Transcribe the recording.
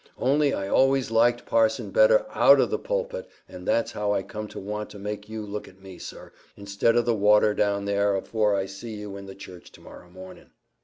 Only I always liked parson better out o' the pulpit, and that's how I come to want to make you look at me, sir, instead o' the water down there, afore I see you in the church to morrow mornin'."